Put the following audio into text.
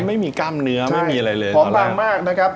ไม่มีกล้ามเนื้อไม่มีอะไรเลยหอมบางมากนะครับ